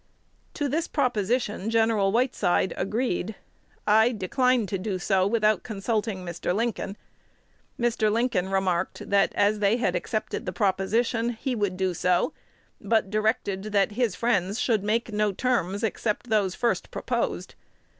To this proposition Gen. Whiteside agreed: I declined doing so without consulting Mr. Lincoln. Mr. Lincoln remarked, that, as they had accepted the proposition, he would do so, but directed that his friends should make no terms except those first proposed.